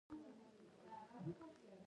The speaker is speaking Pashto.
په زیان رسولو کې بېکاره پاته نه شو.